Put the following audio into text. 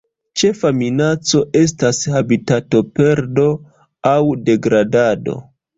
Ĉefa minaco estas habitatoperdo aŭ degradado.